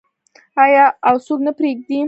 آیا او څوک نه پریږدي؟